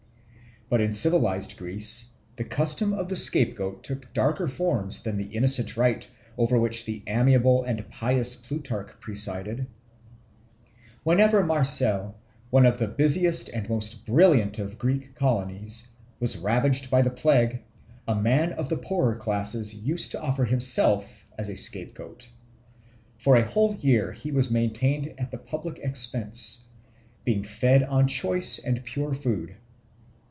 But in civilised Greece the custom of the scapegoat took darker forms than the innocent rite over which the amiable and pious Plutarch presided. Whenever Marseilles, one of the busiest and most brilliant of Greek colonies, was ravaged by a plague, a man of the poorer classes used to offer himself as a scapegoat. For a whole year he was maintained at the public expense, being fed on choice and pure food.